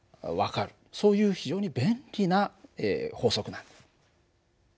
そういう非常に便利な法則なんだ。